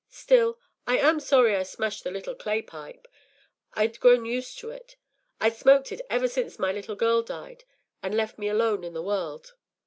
Still, I am sorry I smashed the little clay pipe. I’d grown used to it. I’d smoked it ever since my little girl died and left me alone in the world.